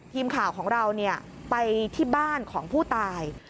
ทีมข่าวของเราไปที่บ้านของผู้ตาย